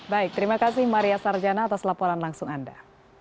baik terima kasih maria sarjana atas laporan langsung anda